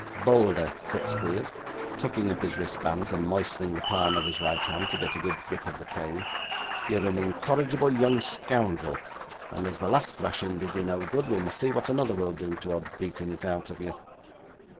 'Bolder,' said Squeers, tucking up his wristbands, and moistening the palm of his right hand to get a good grip of the cane, 'you're an incorrigible young scoundrel, and as the last thrashing did you no good, we must see what another will do towards beating it out of you.